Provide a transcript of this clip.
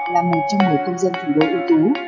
là một trong một mươi công dân thủ đô ưu tú